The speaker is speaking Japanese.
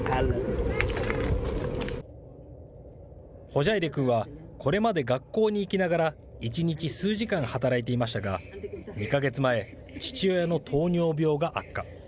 ホジャイリ君は、これまで学校に行きながら、１日数時間働いていましたが、２か月前、父親の糖尿病が悪化。